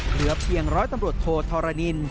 เหลือเพียง๑๑๑ตำรวจโตทรนิน